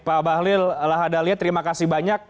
pak bahlil laha dahlia terima kasih banyak